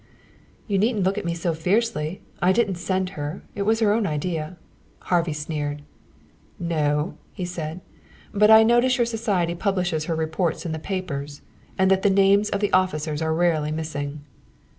"You needn't look at me so fiercely. I didn't send her. It was her own idea." Harvey sneered. "No," he said slowly. "But I notice your society publishes her reports in the papers, and that the names of the officers are rarely missing."